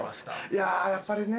いややっぱりね